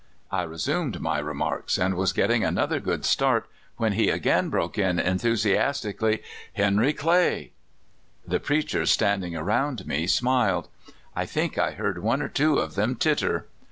I resumed my remarks, and was getting another good start, when he again broke in enthusiastically: " Henr}^ Clay! " The preachers standing around me smiled. I think I heard one or two of them titter.